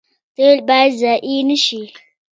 تیل باید ضایع نشي